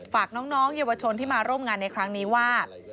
ฝากน้องเยาวชนที่มาร่วมงานในครั้งนี้ว่า